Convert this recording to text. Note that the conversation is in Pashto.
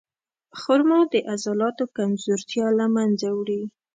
خرما د عضلاتو کمزورتیا له منځه وړي.